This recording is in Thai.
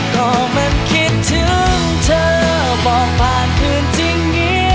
ก็มันคิดถึงเธอ